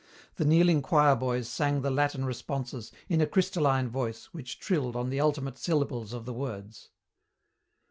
The kneeling choir boys sang the Latin responses in a crystalline voice which trilled on the ultimate syllables of the words.